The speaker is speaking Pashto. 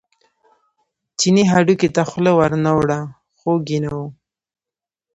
چیني هډوکي ته خوله ور نه وړه خوږ یې نه و.